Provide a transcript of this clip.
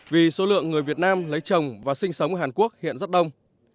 vì số lượng người việt nam lấy chồng và sinh sống ở hàn quốc hiện rất đông